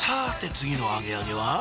次のアゲアゲは？